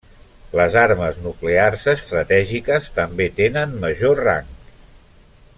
Les armes nuclears estratègiques també tenen major rang.